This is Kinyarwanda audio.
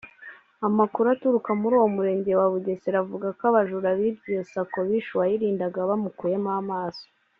Amakuru aturuka muri uwo murenge wa Burega avuga ko abajura bibye iyo Sacco bishe uwayirindaga bamukuyemo amaso